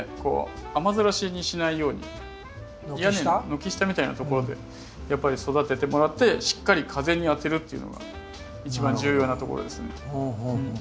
軒下みたいなところでやっぱり育ててもらってしっかり風に当てるっていうのが一番重要なところですね。